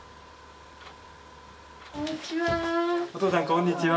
こんにちは。